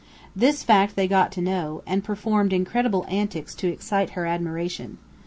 This fact they got to know, and performed incredible antics to excite her admiration.